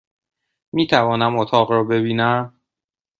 میتوانم اتاق را ببینم؟